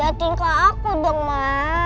liatin ke aku dong ma